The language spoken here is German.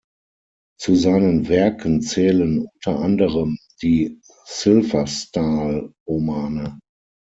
Zu seinen Werken zählen unter anderem die „Silfverstaahl“-Romane.